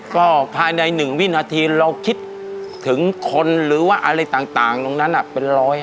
ก็ภายใน๑วินาทีเราคิดถึงคนหรือว่าอะไรต่างตรงนั้นเป็นร้อย